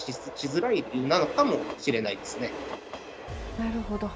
なるほど。